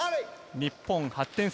日本８点差。